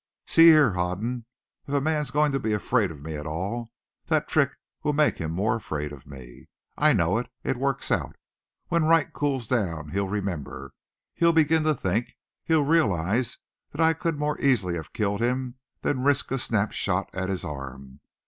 "See here, Hoden. If a man's going to be afraid of me at all, that trick will make him more afraid of me. I know it. It works out. When Wright cools down he'll remember, he'll begin to think, he'll realize that I could more easily have killed him than risk a snapshot at his arm.